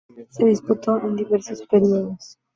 Se disputó en diversos períodos.